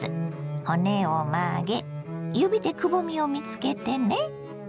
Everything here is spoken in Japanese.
骨を曲げ指でくぼみを見つけてね。